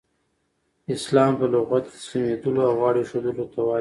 اسلام په لغت کښي تسلیمېدلو او غاړه ایښودلو ته وايي.